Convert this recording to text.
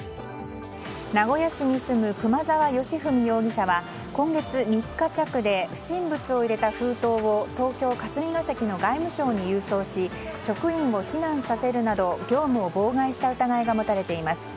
名古屋市に住む熊沢良文容疑者は今月３日着で不審物を入れた封筒を東京・霞が関の外務省に郵送し職員を避難させるなど、業務を妨害した疑いが持たれています。